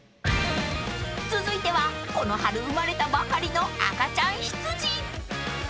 ［続いてはこの春生まれたばかりの赤ちゃん羊］